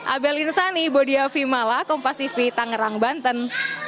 abel irsani bodi afi malla kompas tv tangerang banten